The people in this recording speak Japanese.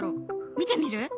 見てみる？